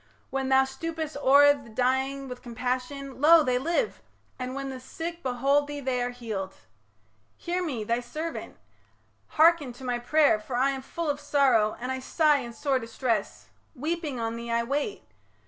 When thou stoopest o'er The dying with compassion, lo! they live; And when the sick behold thee they are healed. Hear me, thy servant! hearken to my pray'r, For I am full of sorrow and I sigh In sore distress; weeping, on thee I wait.